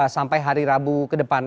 sampai hari rabu ke depan